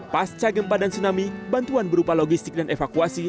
pasca gempa dan tsunami bantuan berupa logistik dan evakuasi